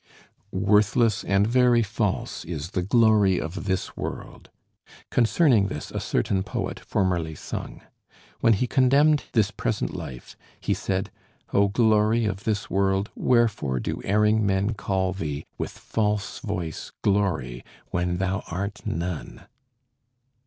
Worthless and very false is the glory of this world! Concerning this a certain poet formerly sung. When he contemned this present life, he said: O glory of this world! wherefore do erring men call thee, with false voice, glory, when thou art none!